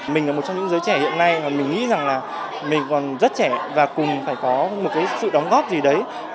mình là một trong những giới trẻ hiện nay mà mình nghĩ rằng là mình còn rất trẻ và cùng phải có một cái sự đóng góp gì đấy